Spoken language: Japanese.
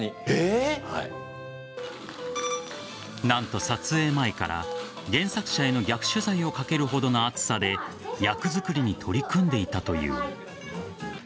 何と、撮影前から原作者への逆取材をかけるほどの熱さで役作りに取り組んでいたという。